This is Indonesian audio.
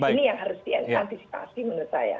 ini yang harus diantisipasi menurut saya